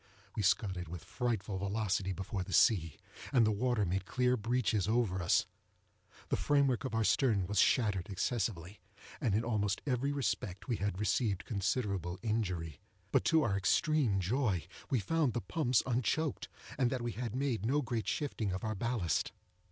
We scudded with frightful velocity before the sea, and the water made clear breaches over us. The frame work of our stern was shattered excessively, and, in almost every respect, we had received considerable injury; but to our extreme joy we found the pumps unchoked, and that we had made no great shifting of our ballast.